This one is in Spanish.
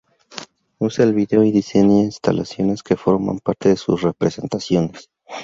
Usa el vídeo y diseña instalaciones que forman parte de sus representaciones.